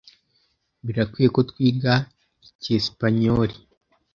Birakwiye ko twiga icyesipanyoli.